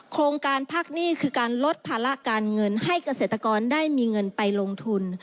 โครงการพักหนี้คือการลดภาระการเงินให้เกษตรกรได้มีเงินไปลงทุน